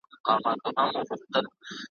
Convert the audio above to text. له نیکه مي اورېدلی مناجات د پخوانیو `